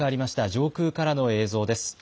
上空からの映像です。